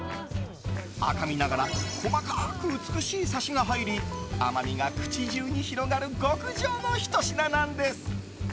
赤身ながら細かく美しいサシが入り甘みが口中に広がる極上のひと品なんです。